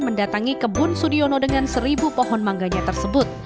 mendatangi kebun sudiono dengan seribu pohon mangganya tersebut